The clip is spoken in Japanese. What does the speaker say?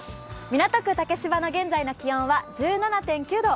港区竹芝の現在の気温は１７．９度。